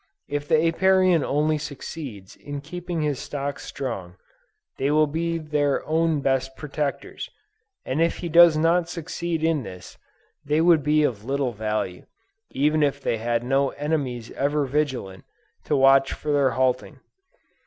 If the Apiarian only succeeds in keeping his stocks strong, they will be their own best protectors, and if he does not succeed in this, they would be of little value, even if they had no enemies ever vigilant, to watch for their halting.